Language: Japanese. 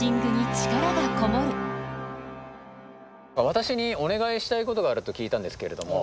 私にお願いしたいことがあると聞いたんですけれども。